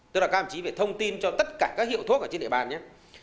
tức là các ông chí phải thông tin cho tất cả các hiệu thuốc ở trên địa bàn nhé